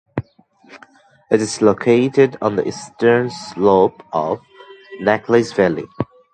It is located on the eastern slope of Necklace Valley.